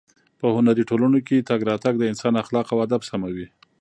په هنري ټولنو کې تګ راتګ د انسان اخلاق او ادب سموي.